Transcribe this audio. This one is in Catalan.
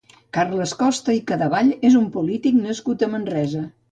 Carles Costa i Cadevall és un polític nascut a Manresa.